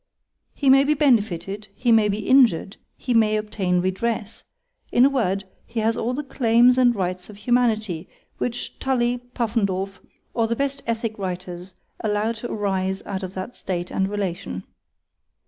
_—He may be benefitted,—he may be injured,—he may obtain redress; in a word, he has all the claims and rights of humanity, which Tully, Puffendorf, or the best ethick writers allow to arise out of that state and relation.